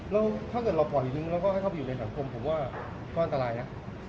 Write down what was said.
แล้วถ้าเกิดเราปล่อยทิ้งแล้วก็ให้เข้าไปอยู่ในสังคมผมว่าก็อันตรายนะ